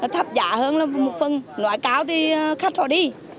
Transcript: thấp giá hơn là một phần nói cao thì khách họ đi